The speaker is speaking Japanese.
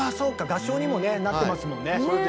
合唱にもねなってますもんね。